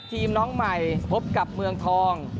น้องใหม่พบกับเมืองทอง